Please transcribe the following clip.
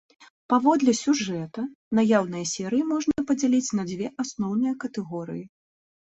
Паводле сюжэта, наяўныя серыі можна падзяліць на дзве асноўныя катэгорыі.